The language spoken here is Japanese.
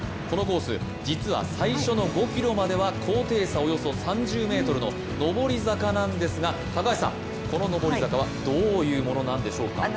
このコース、実は最初の５ｋｍまでは高低差およそ３０ｍの上り坂なんですが、この上り坂はどういうものなんでしょうか。